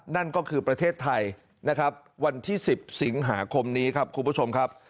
นั่นก็คือประเทศไทยนะครับวันที่๑๐สิงหาคมนี้ครับคุณผู้ชมครับ